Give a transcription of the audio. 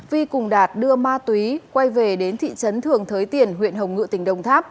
vi cùng đạt đưa ma túy quay về đến thị trấn thường thới tiền huyện hồng ngự tỉnh đồng tháp